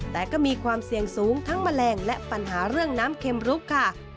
แต่ก็มีความเสี่ยงสูงทั้งแมลงและปัญหาเรื่องน้ำเข็มรุกค่ะ